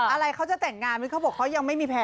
อะไรเขาจะแต่งงานไหมเขาบอกเขายังไม่มีแพ้